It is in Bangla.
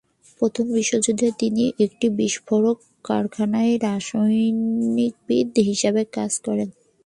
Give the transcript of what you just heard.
প্রথম বিশ্বযুদ্ধে তিনি একটি বিস্ফোরক কারখানায় রসায়নবিদ হিসেবে কাজ করেন।